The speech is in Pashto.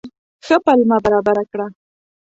ښه پلمه برابره کړه.